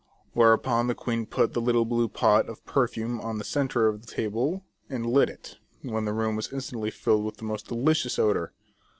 Whereupon the queen put the little blue pot of perfume on the centre of the table, and lit it, when the room was instantly filled with the most delicious odour.